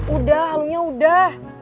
udah alunya udah